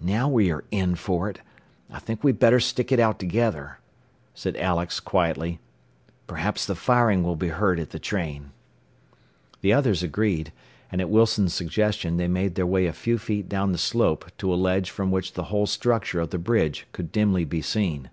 "Now we are in for it. I think we had better stick it out together," said Alex quietly. "Perhaps the firing will be heard at the train." The others agreed, and at Wilson's suggestion they made their way a few feet down the slope to a ledge from which the whole structure of the bridge could dimly be seen.